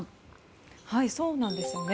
そうなんです。